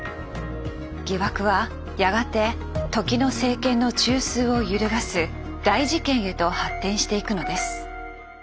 疑惑はやがて時の政権の中枢を揺るがす大事件へと発展していくのです。